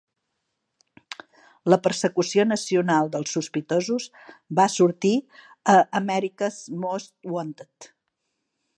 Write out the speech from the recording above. La persecució nacional dels sospitosos va sortir a "America's Most Wanted".